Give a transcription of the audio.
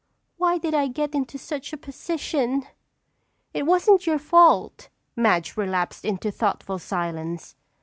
Why did I get into such a position?" "It wasn't your fault." Madge relapsed into thoughtful silence.